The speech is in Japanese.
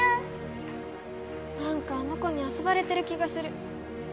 なんかあの子に遊ばれてる気がする。